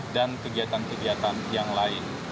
dan kegiatan kegiatan yang lain